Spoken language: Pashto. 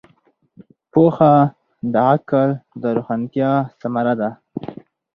پوهه د عقل د روښانتیا ثمره ده.